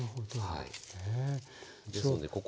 はい。